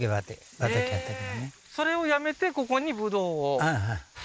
それをやめてここに葡萄を？